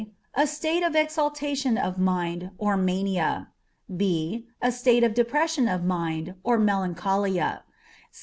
_ A state of exaltation of mind, or mania. b. A state of depression of mind, or melancholia.